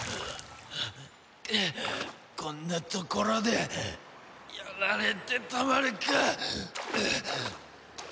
こんなところでやられてたまるか！